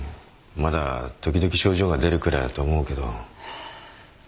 まだ時々症状が出るくらいだと思うけど。